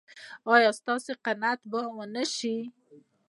ایا ستاسو قناعت به و نه شي؟